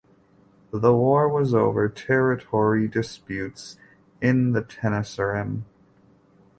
The war was over territory disputes in the Tenasserim.